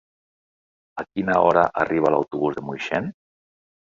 A quina hora arriba l'autobús de Moixent?